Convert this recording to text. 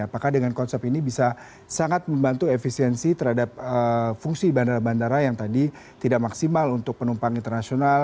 apakah dengan konsep ini bisa sangat membantu efisiensi terhadap fungsi bandara bandara yang tadi tidak maksimal untuk penumpang internasional